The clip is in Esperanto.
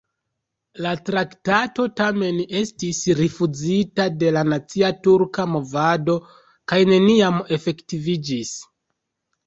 La traktato, tamen, estis rifuzita de la nacia turka movado kaj neniam efektiviĝis.